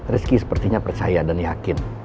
rizky sepertinya percaya dan yakin